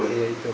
iya itu pak